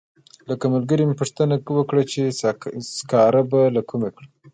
له ملګرو مې پوښتنه وکړه چې سکاره به له کومه کړم.